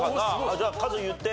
じゃあカズ言って。